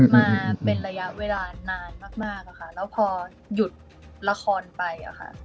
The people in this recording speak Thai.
มาเป็นระยะเวลานานมากอะค่ะแล้วพอหยุดละครไปอะค่ะ